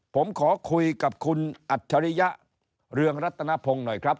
ผมขอคุยกับคุณอัจฉริยะเรืองรัตนพงศ์หน่อยครับ